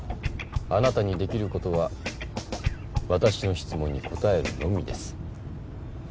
あなたにできる事は私の質問に答えるのみです。